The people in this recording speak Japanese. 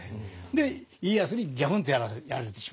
で家康にギャフンとやられてしまう。